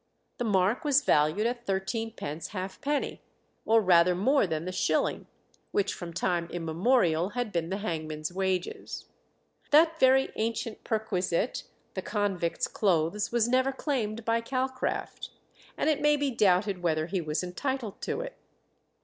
The mark was valued at thirteenpence halfpenny, or rather more than the shilling, which from time immemorial had been the hangman's wages. That very ancient perquisite the convict's clothes was never claimed by Calcraft, and it may be doubted whether he was entitled to it.